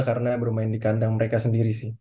karena bermain di kandang mereka sendiri sih